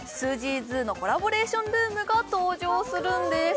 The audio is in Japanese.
’ｓＺｏｏのコラボレーションルームが登場するんです